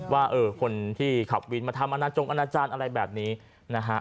ว่าเออคนที่ขับวินมาทำอนาจงอนาจารย์อะไรแบบนี้นะฮะ